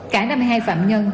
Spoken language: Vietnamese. cả năm mươi hai phạm nhân